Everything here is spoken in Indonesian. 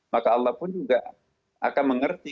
maka allah pun juga akan mengerti